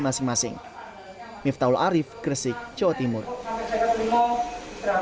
masing masing miftaul arief gresik jawa timur sampai cekat limau terakhir ya